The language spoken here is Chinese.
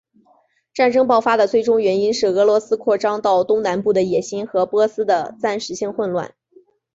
战争爆发的最终原因是俄罗斯扩张到东南部的野心和波斯的暂时性混乱。